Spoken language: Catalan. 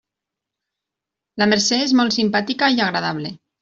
La Mercè és molt simpàtica i agradable.